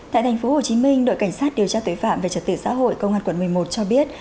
tại thành phố hồ chí minh đội cảnh sát điều tra tội phạm về trật tự xã hội công an quận một mươi một cho biết